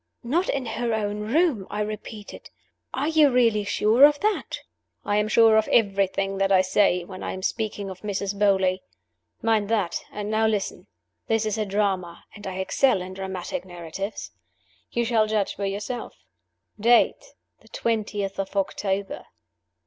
"Not in her own room?" I repeated. "Are you really sure of that?" "I am sure of everything that I say, when I am speaking of Mrs. Beauly. Mind that: and now listen! This is a drama; and I excel in dramatic narrative. You shall judge for yourself. Date, the twentieth of October.